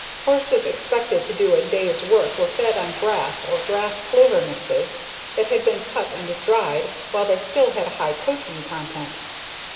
Horses expected to do a day's work were fed on grass or grass/clover mixes that had been cut and dried while they still had a high protein content.